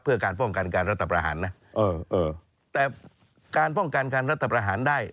เพื่อการป้องกันการรัฐประหารนะเออเออแต่การป้องกันการรัฐประหารได้